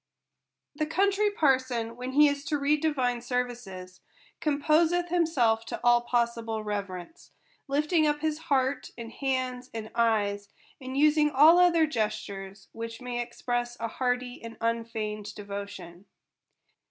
The Country Parson, when he is to read divine ser vices, composeth himself to all possible reverence ; lifting up his heart, and hands, and eyes, and using all other gestures which may express a hearty and un feigned devotion.